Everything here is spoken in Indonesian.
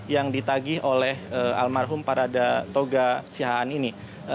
yang ditagih oleh almarhum parada toga sihaan ini